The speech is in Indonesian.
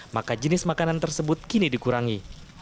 maka jenis makanan tersebut kini dikurangi